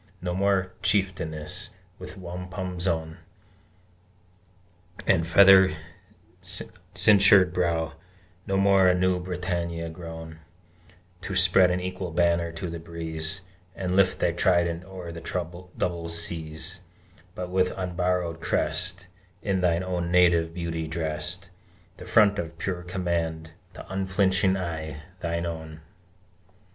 No more a Chieftainess, with wampum zone And feather cinctured brow, No more a new Britannia, grown To spread an equal banner to the breeze, And lift thy trident o'er the double seas; But with unborrowed crest, In thine own native beauty dressed, The front of pure command, the unflinching eye, thine own!